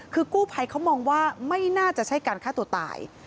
คือกู้ภัยเขามองว่าไม่น่าจะใช่การฆ่าตัวตาย